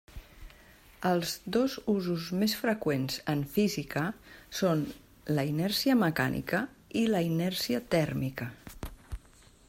Els dos usos més freqüents en física són la inèrcia mecànica i la inèrcia tèrmica.